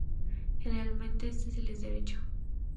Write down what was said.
Generalmente este es el derecho.